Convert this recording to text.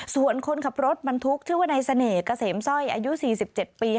ส่วนคนขับรถบรรทุกชื่อว่านายเสน่ห์เกษมซ่อยอายุสี่สิบเจ็ดปี